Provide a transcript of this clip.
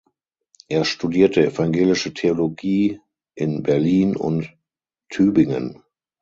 Er studierte Evangelische Theologie in Berlin und Tübingen.